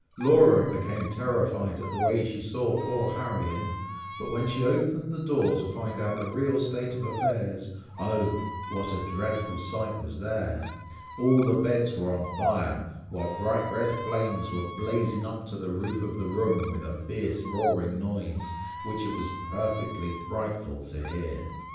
Laura became terrified at the way she saw poor Harry in, but when she opened the door to find out the real state of affairs, oh! what a dreadful sight was there! all the beds were on fire, while bright red flames were blazing up to the roof of the room, with a fierce roaring noise, which it was perfectly frightful to hear.